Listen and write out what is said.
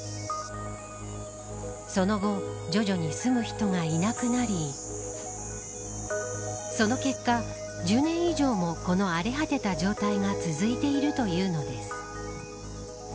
その後、徐々に住む人がいなくなりその結果、１０年以上もこの荒れ果てた状態が続いているというのです。